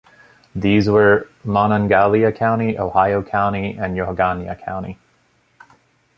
These were Monongalia County, Ohio County, and Yohogania County.